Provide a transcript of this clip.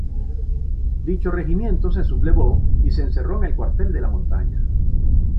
Dicho Regimiento se sublevó y se encerró en el Cuartel de la Montaña.